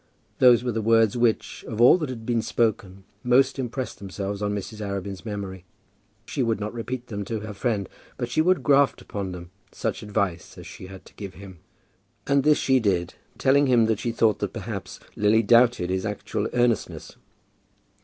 Those were the words which, of all that had been spoken, most impressed themselves on Mrs. Arabin's memory. She would not repeat them to her friend, but she would graft upon them such advice as she had to give him. And this she did, telling him that she thought that perhaps Lily doubted his actual earnestness.